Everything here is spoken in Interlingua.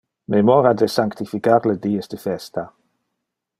Memora da sanctificar le dies de festa.